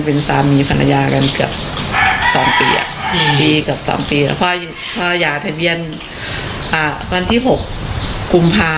ตอนทั้งสี่เราไม่รู้ไงว่าเขาจะมาก่อเห